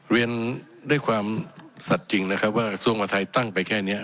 เรียนด้วยความสัดจริงนะครับว่าทรงมหาทัยตั้งไปแค่นี้